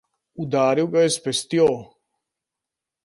Udaril ga je s pestjo!